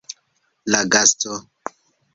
La gasto.